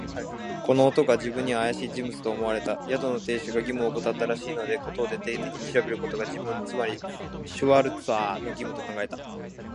この男は自分にはあやしい人物と思われた。宿の亭主が義務をおこたったらしいので、事を徹底的に調べることが、自分、つまりシュワルツァーの義務と考えた。